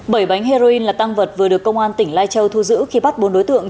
bảy bánh heroin là tăng vật vừa được công an tỉnh lai châu thu giữ khi bắt bốn đối tượng